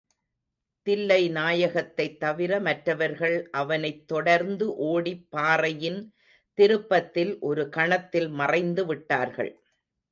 தில்லைநாயகத்தைத் தவிர, மற்றவர்கள் அவனைத் தொடர்ந்து ஓடிப் பாறையின் திருப்பத்தில் ஒரு கணத்தில் மறைந்துவிட்டார்கள்.